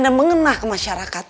dan mengenah ke masyarakat